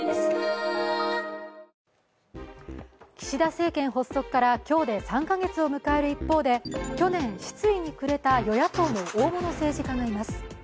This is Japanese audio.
岸田政権発足から今日で３カ月を迎える一方で、去年、失意にくれた与野党の大物政治家がいます。